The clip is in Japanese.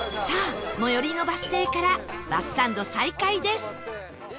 さあ最寄りのバス停からバスサンド再開です